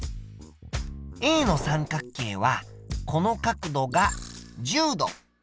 Ａの三角形はこの角度が１０度。